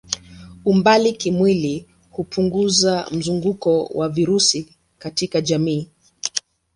Umbali kimwili hupunguza mzunguko wa virusi katika jamii.